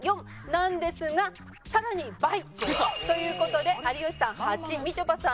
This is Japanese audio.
なんですがさらに倍！という事で有吉さん８みちょぱさん